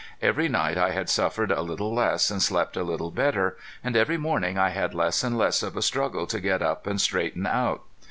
Every night I had suffered a little less and slept a little better, and every morning I had less and less of a struggle to get up and straighten out.